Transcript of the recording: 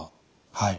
はい。